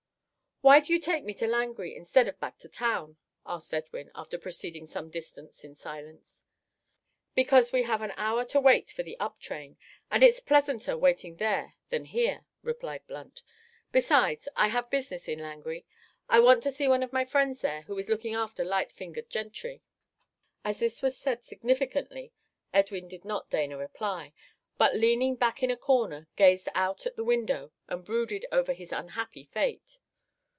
"Why do you take me to Langrye instead of back to town?" asked Edwin, after proceeding some distance in silence. "Because we have an hour to wait for the up train, and it's pleasanter waiting there than here," replied Blunt; "besides, I have business at Langrye; I want to see one of my friends there who is looking after light fingered gentry." As this was said significantly Edwin did not deign a reply, but, leaning back in a corner, gazed out at the window and brooded over his unhappy fate.